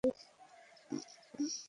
তারা বিবাহ করে এবং সুখী জীবন পরে থাকে।